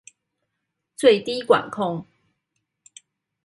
最低管控